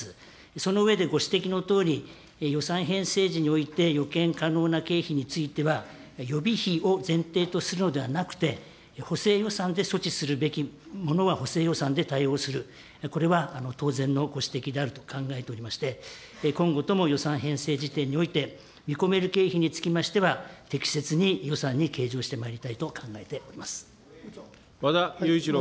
その上でご指摘のとおり、予算編成時において予見可能な経費については、予備費を前提とするのではなくて、補正予算で措置するべきものは補正予算で対応する、これは当然のご指摘であると考えておりまして、今後とも予算編成時点において見込める経費につきましては、適切に予算に計上してま和田有一朗君。